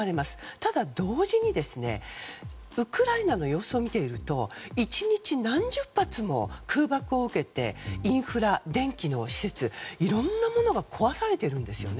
ただ、同時にウクライナの様子を見ていると１日、何十発も空爆を受けてインフラ、電気の施設いろいろなものが壊されているんですよね。